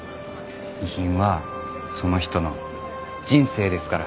遺品はその人の人生ですから。